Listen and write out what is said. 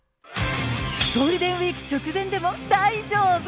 ゴールデンウィーク直前でも大丈夫。